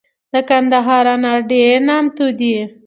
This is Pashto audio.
دکندهار انار دیر نامتو دي